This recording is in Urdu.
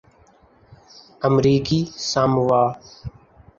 امریکی ساموآ